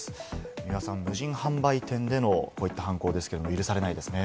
三輪さん、無人販売店でのこういった犯行ですけれども、許されないですよね。